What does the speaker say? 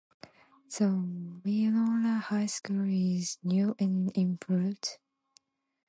The Winona high school is new and improved.